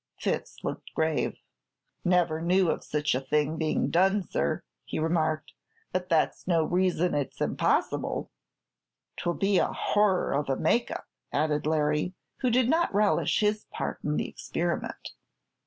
Fitz looked grave. "Never knew of such a thing being done, sir," he remarked; "but that's no reason it's impossible." "'Twill be a horror of a make up," added Larry, who did not relish his part in the experiment.